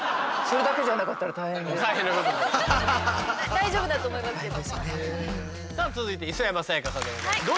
大丈夫だと思いますけど。